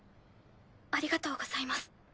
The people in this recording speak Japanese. ありがとうございます。